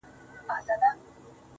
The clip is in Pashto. غنمرنگو کي سوالگري پيدا کيږي,